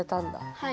はい。